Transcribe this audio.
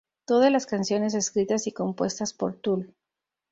Todas las canciones escritas y compuestas por Tool.